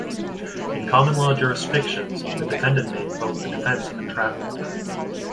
In common law jurisdictions, the defendant may invoke the defense of entrapment.